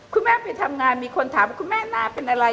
คุณแม่ไปทำงานมีคนถามคุณแม่หน้าเป็นอะไร